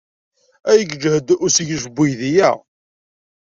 Ay yejhed usseglef n uydi-a!